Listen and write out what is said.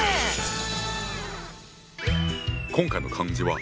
今回の漢字は。